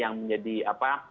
yang menjadi apa